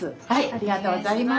ありがとうございます。